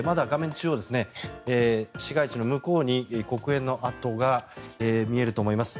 中央市街地の向こうに黒煙の跡が見えると思います。